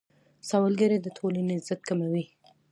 سوالګري د ټولنې عزت کموي.